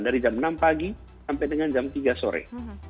dari jam enam pagi sampai dengan jam tiga sore